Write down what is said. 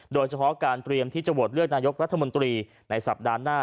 โดยเฉพาะการเตรียมที่จะโหวตเลือกนายกรัฐมนตรีในสัปดาห์หน้า